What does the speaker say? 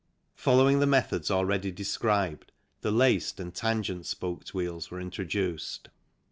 Following the methods already described, the laced and tangent spoked wheels were introduced.